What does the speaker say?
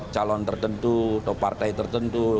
calon tertentu atau partai tertentu